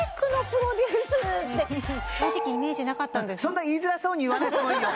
そんな言いづらそうに言わなくてもいいよ